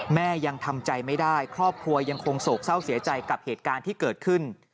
แม่ยังทำใจไม่ได้ครอบครัวยังคงโศกเศร้าเสียใจกับเหตุการณ์ที่เกิดขึ้น